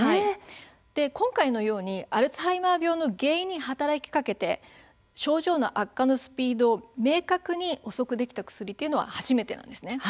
今回のようにアルツハイマー病の原因に働きかけて症状の悪化のスピードを明確に遅くできた薬は初めてなんです。